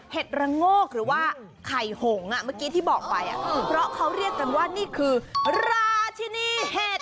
ระโงกหรือว่าไข่หงเมื่อกี้ที่บอกไปเพราะเขาเรียกกันว่านี่คือราชินีเห็ด